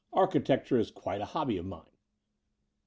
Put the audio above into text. Architecture is quite a hobby of mine."